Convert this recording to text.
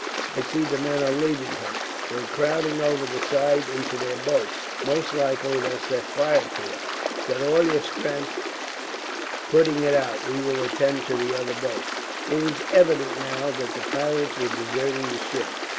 I see the men are leaving her. They're crowding over the side into their boats. Most likely they'll set fire to her. Set all your strength putting it out. We will attend to the other boats." It was evident, now, that the pirates were deserting the ship.